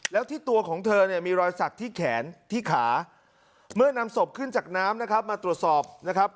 แล้วที่ตัวของเธอเนี่ยมีรอยสักที่แขนที่ขาเมื่อนำศพขึ้นจากน้ำนะครับมาตรวจสอบนะครับ